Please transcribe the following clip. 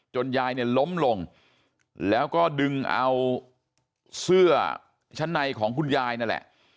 ยายเนี่ยล้มลงแล้วก็ดึงเอาเสื้อชั้นในของคุณยายนั่นแหละ